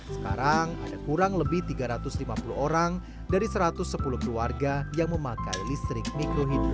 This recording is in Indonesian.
sekarang ada kurang lebih tiga ratus lima puluh orang dari satu ratus sepuluh keluarga yang memakai listrik mikrohidrat